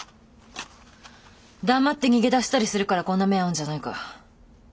黙って逃げ出したりするからこんな目遭うんじゃないか。